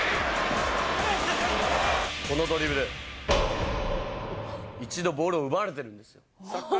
このドリブル、一度ボールを奪われているんですよ。